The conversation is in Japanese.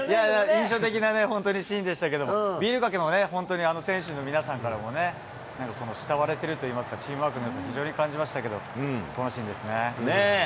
印象的なね、本当にシーンでしたけれども、ビールかけも本当に、選手の皆さんからも、慕われてるっていいますか、チームワークのよさ、非常に感じましたけど、このシーンですね。